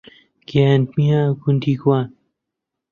گەیاندمیە گوندی گوان